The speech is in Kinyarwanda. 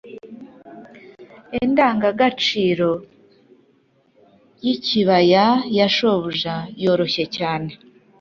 indangagaciro y'ikibaya ya shobuja yoroshye cyane